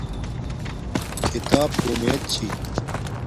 کھتاپ تونیت چھی